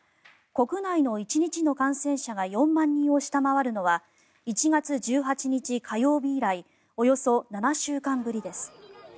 国内の１日の感染者が４万人を下回るのは１月１８日、火曜日以来およそ７週間ぶりです。